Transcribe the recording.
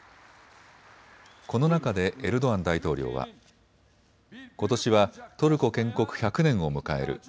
この中でエルドアン大統領はことしはトルコ建国１００年を迎える。